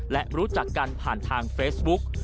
และรู้จักกันผ่านทางเฟซบุ๊ก